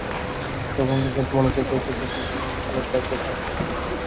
তবে আমরা সবাই মানসিকভাবে প্রস্তুত, যেদিন লাগবে সেদিন ব্যাট করতে হবে।